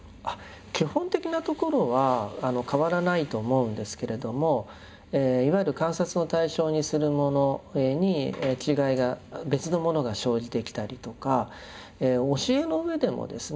基本的なところは変わらないと思うんですけれどもいわゆる観察の対象にするものに違いが別のものが生じてきたりとか教えの上でもですね